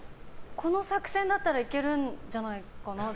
この作戦だったらいけるんじゃないかなと。